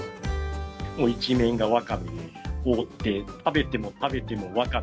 一面がわかめで覆って、食べても食べてもわかめ。